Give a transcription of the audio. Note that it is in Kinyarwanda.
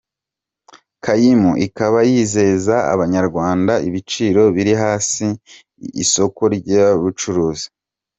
Kaymu ikaba yizeza abanyarwanda ibiciro biri hasi ku isoko ryubucuruzi.